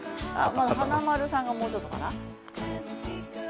華丸さんはもうちょっとかな？